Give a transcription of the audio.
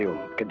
ini pak man aku